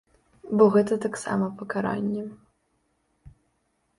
Бо гэта таксама пакаранне.